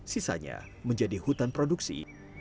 sisanya menjadi hutan produksi